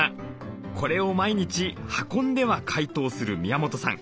これを毎日運んでは解凍する宮本さん。